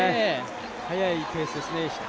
速いペースですね。